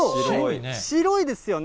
白いですよね。